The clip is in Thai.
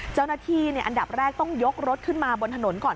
เจ้าหน้าที่อันดับแรกต้องยกรถขึ้นมาบนถนนก่อน